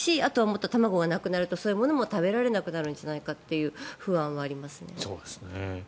あとは卵がなくなるとそういうものも食べられなくなるんじゃないかと不安はありますね。